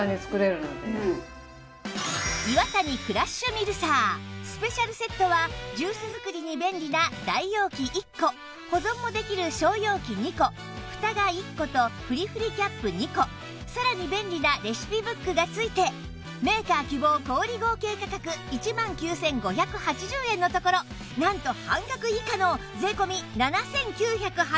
イワタニクラッシュミルサースペシャルセットはジュース作りに便利な大容器１個保存もできる小容器２個フタが１個とふりふりキャップ２個さらに便利なレシピブックが付いてメーカー希望小売合計価格１万９５８０円のところなんと半額以下の税込７９８０円です